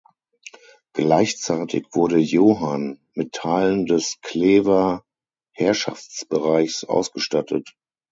Gleichzeitig wurde Johann mit Teilen des Klever Herrschaftsbereichs ausgestattet.